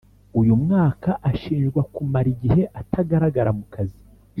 uyu mwaka, ashinjwa kumara igihe atagaragara mu kazi.